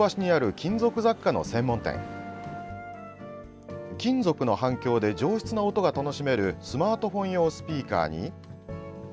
金属の反響で上質な音が楽しめるスマートフォン用スピーカーに。